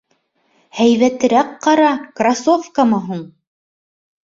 — Һәйбәтерәк ҡара, кроссовкамы һуң?